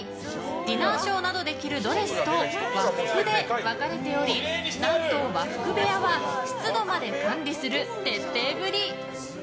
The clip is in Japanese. ディナーショーなどで着るドレスと和服で分かれており何と、和服部屋は湿度まで管理する徹底ぶり。